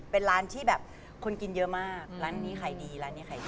เป็นร้านที่คนกินเยอะมาก